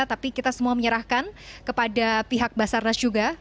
tapi kita semua menyerahkan kepada pihak basarnas juga